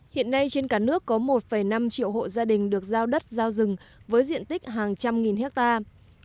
hiện nay trên cả nước có một năm triệu hộ gia đình được giao đất giao rừng với diện tích hàng trăm nghìn hectare